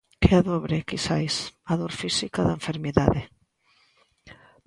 Que é dobre, quizais: a dor física da enfermidade.